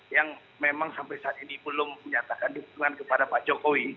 yang memang sampai saat ini belum menyatakan dukungan kepada pak jokowi